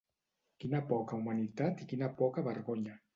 Quina poca humanitat i quina poca vergonya.